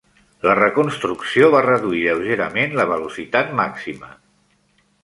La reconstrucció va reduir lleugerament la velocitat màxima.